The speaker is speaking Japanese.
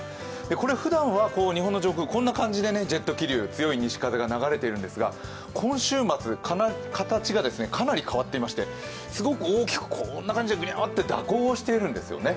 ふだんは日本の上空、こんな感じでジェット気流、強い西風が吹いているんですが今週末、形がかなり変わっていまして、すごく、こんな大きな形で蛇行をしているんですよね。